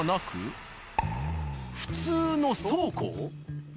普通の倉庫？